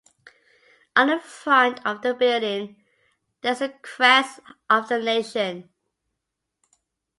On the front of the building, there is the crest of the nation.